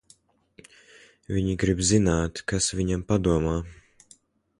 Viņi grib zināt, kas viņam padomā.